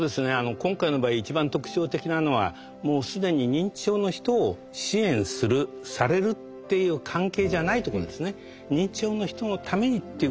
今回の場合一番特徴的なのはもう既に認知症の人を支援する・されるっていう関係じゃないとこですね。